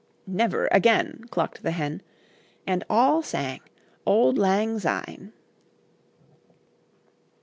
"Never again," Clucked the Hen, And all sang Old Lang Syne.